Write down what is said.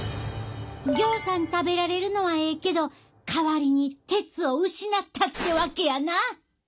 ぎょうさん食べられるのはええけど代わりに鉄を失ったってわけやな。